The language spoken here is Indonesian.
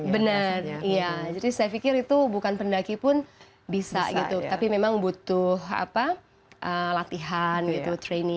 benar iya jadi saya pikir itu bukan pendaki pun bisa gitu tapi memang butuh latihan gitu training